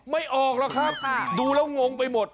ไม่ออกหรอกครับดูแล้วงงไปหมด